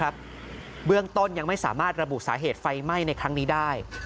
เบื้องต้นยังไม่สามารถระบุสาเหตุไฟไหม้ในครั้งนี้ได้